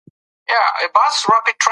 موږ باید د پرمختګ لارې چارې زده کړو.